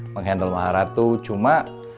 menghandle maharatu cuma